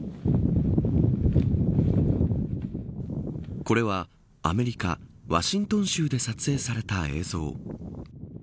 これはアメリカ、ワシントン州で撮影された映像。